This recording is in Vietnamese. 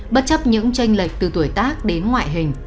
bất chấp những tranh lệch từ tuổi tác đến ngoại hình